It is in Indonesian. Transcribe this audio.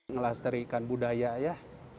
ngelasterikan budaya ya